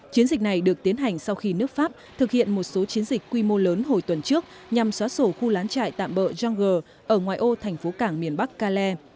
chiến dịch này được tiến hành sau khi nước pháp thực hiện một số chiến dịch quy mô lớn hồi tuần trước nhằm xóa sổ khu lán trại tạm bỡ junger ở ngoài ô thành phố cảng miền bắc cale